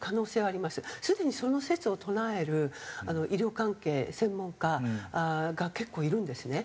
すでにその説を唱える医療関係専門家が結構いるんですね。